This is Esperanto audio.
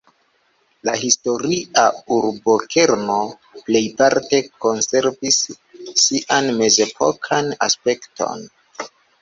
La historia urbokerno plejparte konservis sian mezepokan aspekton.